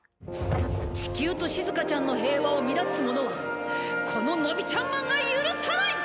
地球としずかちゃんの平和を乱すものはこのノビちゃんマンが許さない！